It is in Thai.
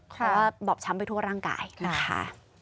เพราะว่าบอบช้ำไปทั่วร่างกายนะคะ